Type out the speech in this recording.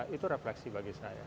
jadi itu refleksi bagi saya